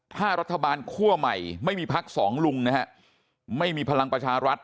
ถ้ารัฐบาลคั่วใหม่ไม่มีพักสองลุงนะฮะไม่มีพลังประชารัฐ